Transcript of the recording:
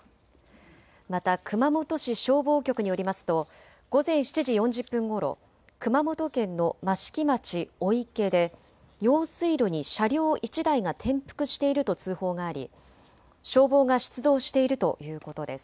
また熊本市消防局によりますと午前７時４０分ごろ、熊本県の益城町小池で用水路に車両１台が転覆していると通報があり消防が出動しているということです。